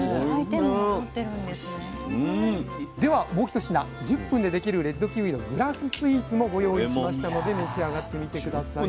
ではもう一品１０分でできるレッドキウイのグラススイーツもご用意しましたので召し上がってみて下さい。